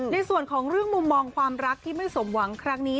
ในส่วนของเรื่องมุมมองความรักที่ไม่สมหวังครั้งนี้